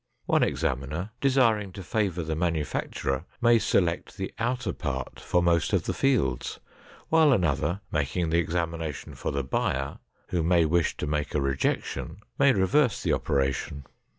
One examiner desiring to favor the manufacturer may select the outer part for most of the fields, while another, making the examination for the buyer, who may wish to make a rejection, may reverse the operation.